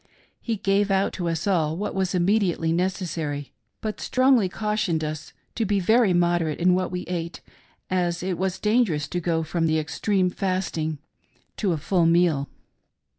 He gave out to us all what was imme diately necessary, but strongly cautioned us to be very moder ate in what we ate, as it was dangerous to go from the extreme of fasting to a full meal.